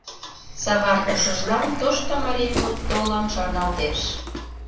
Саван ушыжлан тошто марий мут толын шарналтеш.